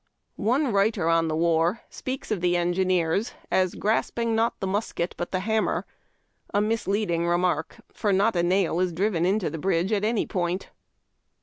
One writer on the war speaks of the engineers as grasp ing "not the musket but the hammer^'''' a misleading remark, for not a nail is driven into the bridge at any point.